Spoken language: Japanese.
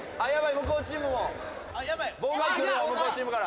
向こうチームから。